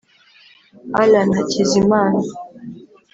Allan Hakizimana